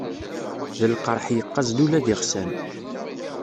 D lqerḥ yeqqazen ula d iɣsan.